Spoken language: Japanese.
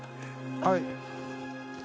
はい。